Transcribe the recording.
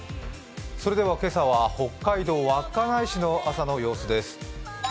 今朝は北海道稚内市の朝の様子です。